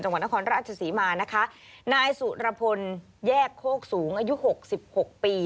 จังหวัดนครราชศรีมานะคะนายสุรพลแยกโคกสูงอายุหกสิบหกปี